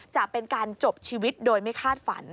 จะเป็นการจบชีวิตโดยไม่คาดฝัน